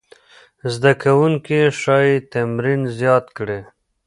زده کوونکي ښايي تمرین زیات کړي.